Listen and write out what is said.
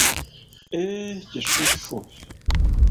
Eeehe kisufu!